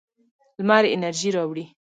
لمر انرژي راوړي.